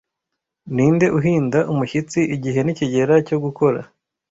ninde uhinda umushyitsi igihe nikigera cyo gukora